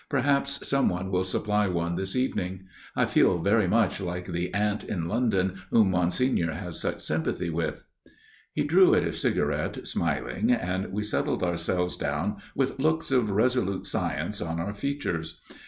Perhaps some one will supply one this evening. I feel very much like the ant in London whom Monsignor has such sympathy with." He drew at his cigarette, smiling, and we settled ourselves down with looks of resolute science on our features.